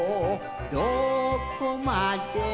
どこまでも」